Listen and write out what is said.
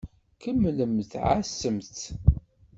Kemmlemt ɛassemt-t.